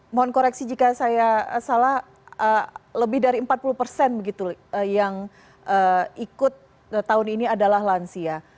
mohon koreksi jika saya salah lebih dari empat puluh persen begitu yang ikut tahun ini adalah lansia